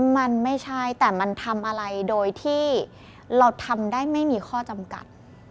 มันไม่ใช่แต่มันทำอะไรโดยที่เราทำได้ไม่มีข้อจำกัด